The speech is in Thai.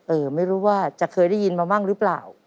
ไม่รู้ว่าจะเคยได้ยินมาบ้างหรือเปล่า